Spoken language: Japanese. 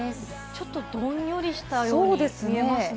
ちょっとどんよりしたように見えますね。